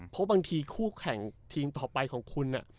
เพราะบางทีคู่แข่งทีมต่อไปของคุณ